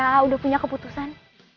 sampai a'a udah punya keputusan